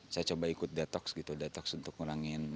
saya coba ikut detox gitu detox untuk ngurangin